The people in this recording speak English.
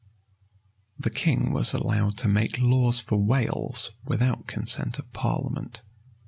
The king was allowed to make laws for Wales without consent of parliament.